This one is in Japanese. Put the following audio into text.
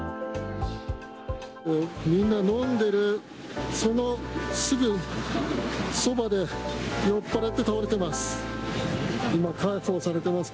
みんな飲んでる、そのすぐそばで、酔っぱらって倒れてます。